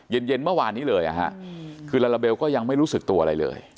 เย็นเมื่อวานนี้เลยคือลาลาเบลก็ยังไม่รู้สึกตัวอะไรเลย